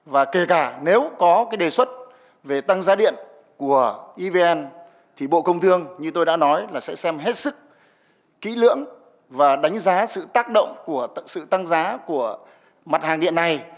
và kể cả nếu có cái đề xuất về tăng giá điện của evn thì bộ công thương như tôi đã nói là sẽ xem hết sức kỹ lưỡng và đánh giá sự tác động của sự tăng giá của mặt hàng điện này